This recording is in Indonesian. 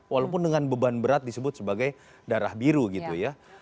walaupun dengan beban berat disebut sebagai darah biru gitu ya